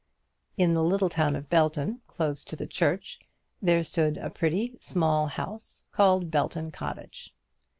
In the little town of Belton, close to the church, there stood a pretty, small house, called Belton Cottage.